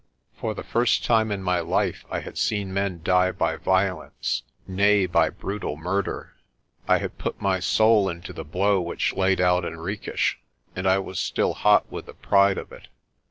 For the first time in my life I had seen men die by violence nay, by brutal murder. I had put my soul into the blow which laid out Henriques and I was still hot with the pride of it.